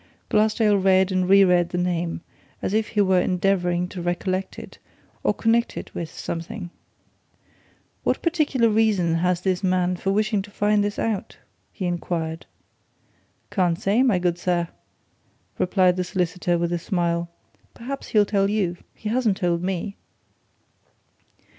Glassdale read and re read the name as if he were endeavouring to recollect it, or connect it with something. "What particular reason has this man for wishing to find this out?" he inquired. "Can't say, my good sir!" replied the solicitor, with a smile. "Perhaps he'll tell you. He hasn't told me."